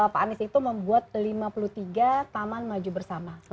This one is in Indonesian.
pak anies itu membuat lima puluh tiga taman maju bersama